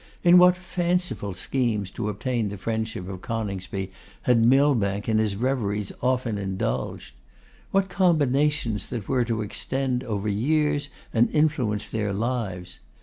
In what fanciful schemes to obtain the friendship of Coningsby had Millbank in his reveries often indulged! What combinations that were to extend over years and influence their lives!